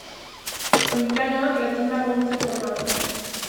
Oinplanoak latindar gurutze forma du.